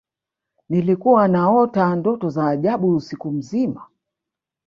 nilikuwa naota ndoto za ajabu usiku mzima